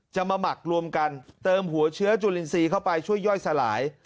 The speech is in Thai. มาหมักรวมกันเติมหัวเชื้อจุลินทรีย์เข้าไปช่วยย่อยสลาย